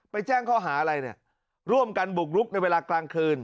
แจ้งข้อหาอะไรเนี่ยร่วมกันบุกรุกในเวลากลางคืน